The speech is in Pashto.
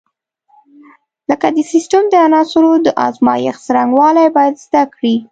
لکه د سیسټم د عناصرو د ازمېښت څرنګوالي باید زده کړي.